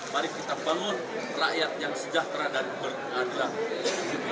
mari kita bangun rakyat yang sejahtera dan berkeadilan